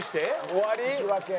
終わり？